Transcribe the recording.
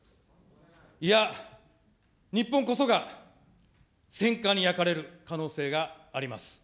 いや、日本こそが戦火に焼かれる可能性があります。